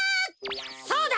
そうだ！